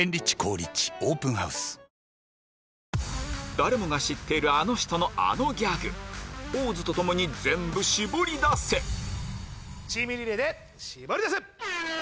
誰もが知っているあの人のあのギャグポーズとともに全部シボリダセチームリレーでシボリダセ！